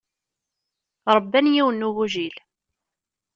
Ṛebban yiwen n ugujil.